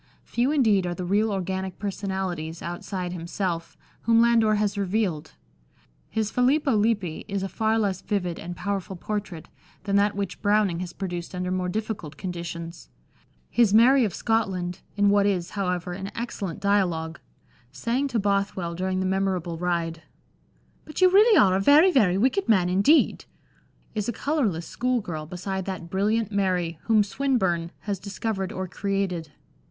Few indeed are the real organic personalities, outside himself, whom Landor has revealed ; his Filippo Lippi is a far less vivid and powerful portrait than that which Browning has produced under more difficult conditions ; his Mary of Scotland (in what is, however, an excellent dialogue), saying to Bothwell during the memorable ride, " But you really are a very, very wicked man indeed," is a colourless school girl beside that brilliant Mary whom Swinburne has discovered or created.